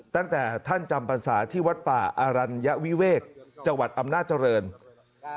ตั้งแต่ท่านจำพรรษาที่วัดป่าอรัญวิเวกจังหวัดอำนาจริง